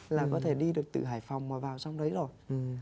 là có thể đi được từ hải phòng vào trong đấy rồi